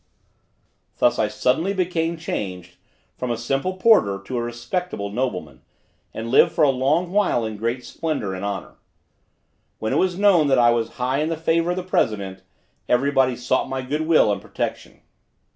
Thus I suddenly became changed from a simple porteur to a respectable nobleman, and lived for a long while in great splendor and honor. When it was known that I was high in the favor of the president, everybody sought my good will and protection.